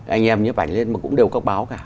anh em nhiếp ảnh lên mà cũng đều có báo cả